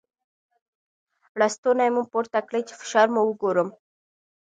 ړستونی مو پورته کړی چې فشار مو وګورم.